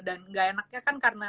dan gak enaknya kan karena